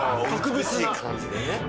美しい感じでね。